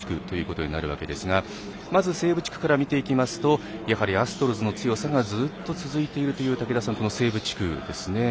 そして、中部地区、東部地区になるわけですがまず西部地区から見ていきますとやはりアストロズの強さがずっと続いているという西部地区ですね。